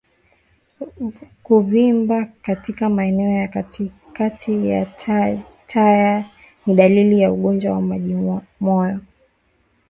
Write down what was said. Kuvimba katika maeneo ya katikati ya taya ni dalili ya ugonjwa wa majimoyo